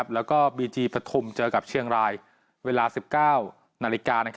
แล้วก็บีเกียร์ประถุมเจอกับเชียงรายเวลา๑๙น